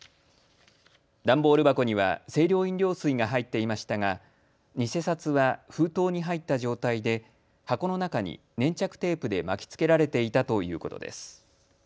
段ボール箱には清涼飲料水が入っていましたが偽札は封筒に入った状態で箱の中に粘着テープで巻きつけられていたということです。